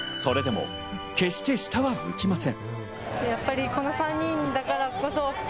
それでも決して下は向きません。